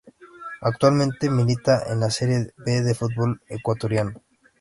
Actualmente milita en la Serie B del fútbol ecuatoriano.